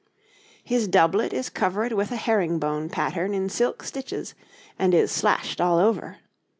His doublet is covered with a herring bone pattern in silk stitches, and is slashed all over.